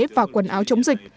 và quần áo chống dịch